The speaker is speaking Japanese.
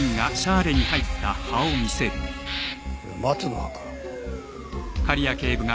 松の葉か。